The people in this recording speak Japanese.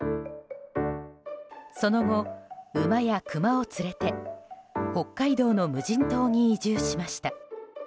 その後、馬やクマを連れて北海道の無人島に移住しました。